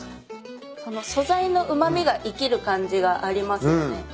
素材のうま味が生きる感じがありますよね。